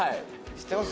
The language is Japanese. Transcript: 知ってます？